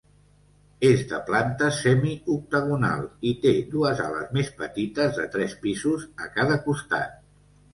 És de planta semioctagonal i té dues ales més petites de tres pisos a cada costat.